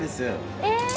え！